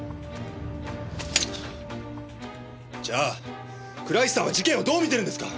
じゃあ倉石さんは事件をどう見てるんですか！